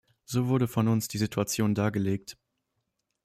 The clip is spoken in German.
So wurde von uns die Situation dargelegt.